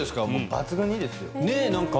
抜群にいいですよ。